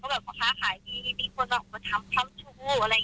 มีคนออกมาทำทำทูอะไรอย่างเงี้ยค่ะไปงานไปที่ไหนก็ไม่คุณรับเหมือนเขาก็มาลง